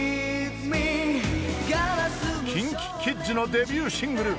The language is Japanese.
［ＫｉｎＫｉＫｉｄｓのデビューシングル］